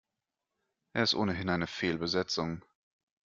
Er ist ohnehin eine Fehlbesetzung.